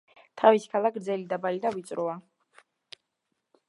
თავის ქალა გრძელი, დაბალი და ვიწროა.